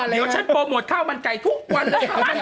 เดี๋ยวฉันโปรโมทข้าวบรรไกรทุกวันเลย